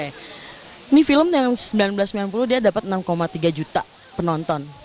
ini film yang seribu sembilan ratus sembilan puluh dia dapat enam tiga juta penonton